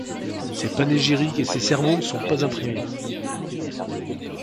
Ses panégyriques et ses sermons ne sont pas imprimés.